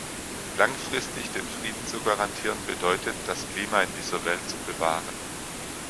Langfristig den Frieden zu garantieren bedeutet, das Klima in dieser Welt zu bewahren.